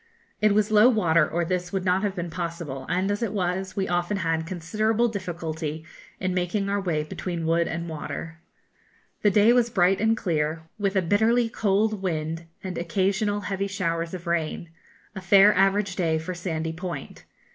It was low water, or this would not have been possible, and as it was, we often had considerable difficulty in making our way between wood and water. The day was bright and clear, with a bitterly cold wind and occasional heavy showers of rain; a fair average day for Sandy Point.